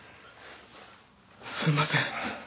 すんません。